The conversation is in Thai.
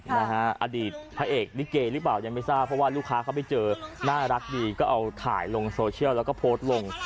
นะฮะอดีตพระเอกลิเกหรือเปล่ายังไม่ทราบเพราะว่าลูกค้าเขาไปเจอน่ารักดีก็เอาถ่ายลงโซเชียลแล้วก็โพสต์ลง